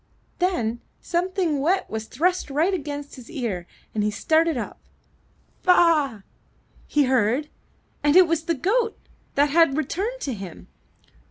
Then something wet was thrust right against his ear and he started up. ''Ba a a a!'' he heard, and it was the goat that had returned to him.